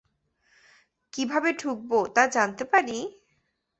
কীভাবে ঢুকব তা জানতে পারি?